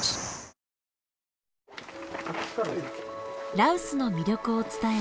羅臼の魅力を伝える